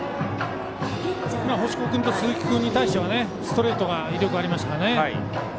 星子君と鈴木君に対してはストレートが威力ありましたね。